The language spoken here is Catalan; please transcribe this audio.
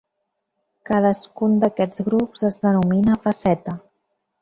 Cadascun d'aquests grups es denomina faceta.